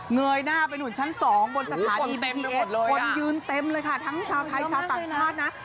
เงยหน้าไปหนุ่นชั้น๒บนสถานีแมพีเอสคนยืนเต็มเลยค่ะทั้งชาวไทยชาวต่างชาตินะ